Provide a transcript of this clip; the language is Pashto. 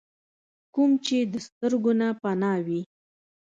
کوم چې د سترګو نه پناه وي ۔